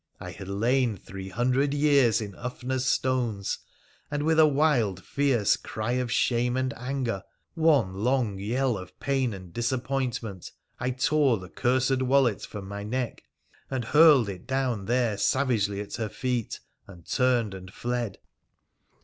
I had lain three hundred years in Ufner's stones, and with a wild, fierce cry of shame and anger, one long yell of pain and disappointment, I tore the cursed wallet from my neck and hurled it down there savagely at her feet, and turned and fled